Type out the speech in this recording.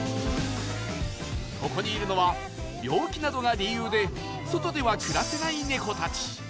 ここにいるのは病気などが理由で外では暮らせないネコたち